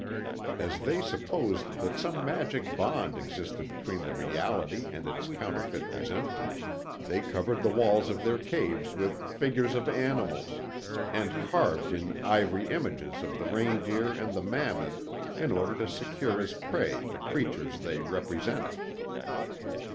As they supposed that some magic bond existed between the reality and its counterfeit presentment, they covered the walls of their caves with figures of animals and carved in ivory images of the reindeer and the mammoth in order to secure as prey the creatures they represented.